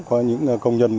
có những công nhân tập thể